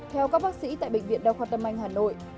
theo các bác sĩ tại bệnh viện đa khoa tâm anh hà nội